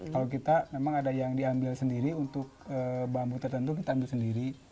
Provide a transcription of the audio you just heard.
kalau kita memang ada yang diambil sendiri untuk bambu tertentu kita ambil sendiri